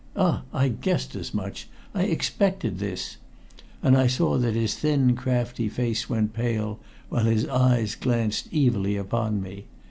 Ah! I guessed as much. I expected this!" And I saw that his thin, crafty face went pale, while his eyes glanced evilly upon me.